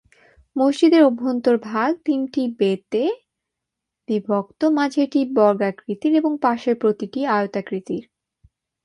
মসজিদের অভ্যন্তরভাগ তিনটি ‘বে’তে বিভক্ত মাঝেরটি বর্গাকৃতির এবং পাশের প্রতিটি আয়তাকৃতির।